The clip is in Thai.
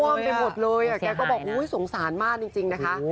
วมไปหมดเลยแกก็บอกอุ๊ยสงสารมากจริงนะคะ